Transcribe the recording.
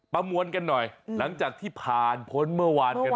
ประมวลกันหน่อยหลังจากที่ผ่านพ้นเมื่อวานกัน